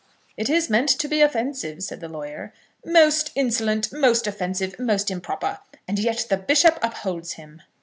"It is meant to be offensive," said the lawyer. "Most insolent, most offensive, most improper! And yet the bishop upholds him!"